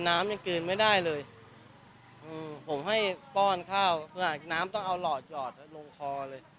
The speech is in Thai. น้ำยังกลืนไม่ได้เลยอืมผมให้ป้อนข้าวขนาดน้ำต้องเอาหลอดหยอดลงคอเลย